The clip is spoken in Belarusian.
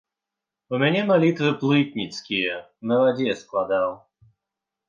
У мяне малітвы плытніцкія, на вадзе складаў.